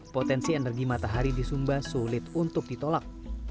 potensi energi matahari di sumba sulit untuk ditolak